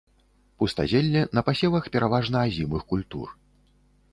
Пустазелле на пасевах пераважна азімых культур.